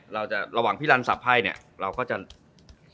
ระหว่างพี่เลยหลังสับไข้